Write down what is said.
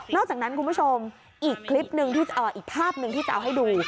อกจากนั้นคุณผู้ชมอีกคลิปหนึ่งอีกภาพหนึ่งที่จะเอาให้ดู